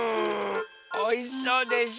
おいしそうでしょ？